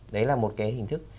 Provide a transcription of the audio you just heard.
đấy là một cái hình thức